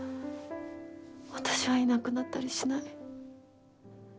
私はいなくなったりしない。